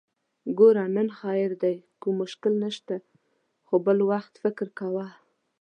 ګوره! نن خير دی، کوم مشکل نشته، خو بل وخت فکر کوه!